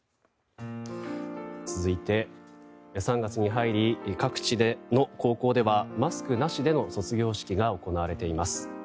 続いて、３月に入り各地の高校ではマスクなしでの卒業式が行われています。